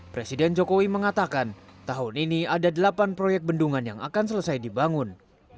presiden jokowi mengatakan tahun ini ada delapan proyek bendungan yang akan selesai dibangun